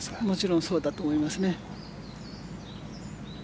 もちろんそうだと思います。